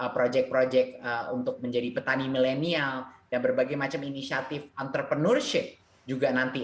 proyek proyek untuk menjadi petani milenial dan berbagai macam inisiatif entrepreneurship juga nanti